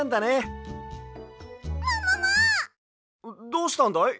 どうしたんだい？